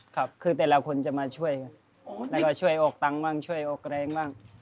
ครับคือแต่ละคนจะมาช่วยครับแล้วก็ช่วยออกตังค์บ้างช่วยออกแรงบ้าง